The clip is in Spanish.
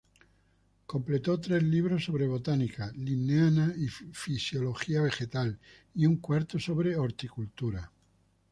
Completó tres libros sobre botánica linneana y fisiología vegetal y un cuarto sobre horticultura.